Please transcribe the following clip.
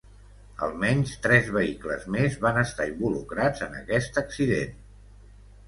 Almenys tres vehicles més van estar involucrats en aquest accident.